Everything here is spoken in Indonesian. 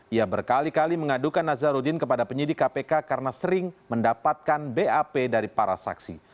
ia berkali kali mengadukan nazarudin kepada penyidik kpk karena sering mendapatkan bap dari para saksi